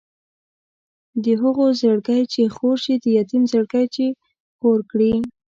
د هغو زړګی چې خور شي د یتیم زړګی چې خور کړي.